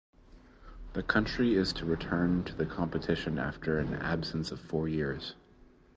The country is to return to the competition after an absence of four years.